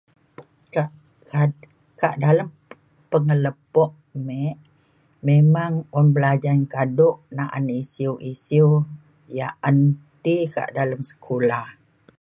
kak kak kak dalem pengelepok mik memang un belajan kaduk na'an isiu isiu ya' un ti ke dalem sekula